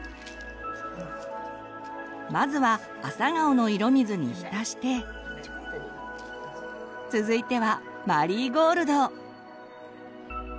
まずはアサガオの色水に浸して続いてはマリーゴールド。